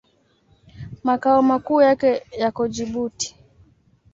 Makao makuu yake yako Jibuti.